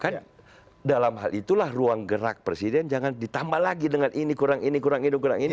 kan dalam hal itulah ruang gerak presiden jangan ditambah lagi dengan ini kurang ini kurang ini kurang ini